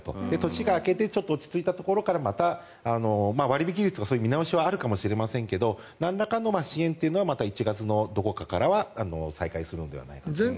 年明けでちょっと落ち着いたところから割引率は見直しはあるかもしれませんがなんらかの支援は１月のどこかからは再開するのではないかと。